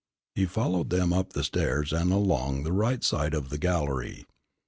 He followed them up the stairs and along the right hand side of the gallery.